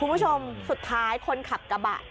คุณผู้ชมสุดท้ายคนขับกระบะ